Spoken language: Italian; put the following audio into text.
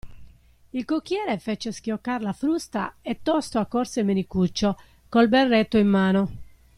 Il cocchiere fece schioccar la frusta e tosto accorse Menicuccio, col berretto in mano.